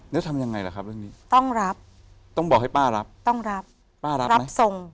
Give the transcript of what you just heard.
แล้วทำยังไงล่ะครับเรื่องนี้ต้องรับต้องบอกให้ป้ารับต้องรับป้ารับรับทรง